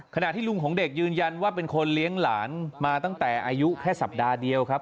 ขณะที่ลุงของเด็กยืนยันว่าเป็นคนเลี้ยงหลานมาตั้งแต่อายุแค่สัปดาห์เดียวครับ